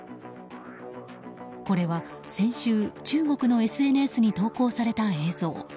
これは先週中国のＳＮＳに投稿された映像。